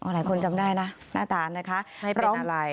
อ๋อหลายคนจำได้นะหน้าตาลนะคะ